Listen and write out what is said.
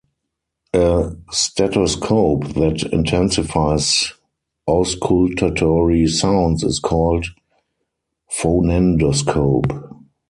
A stethoscope that intensifies auscultatory sounds is called phonendoscope.